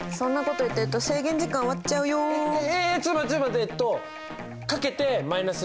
ええっちょっと待ってちょっと待ってえっと。